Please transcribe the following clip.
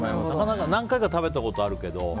何回か食べたことはあるけど。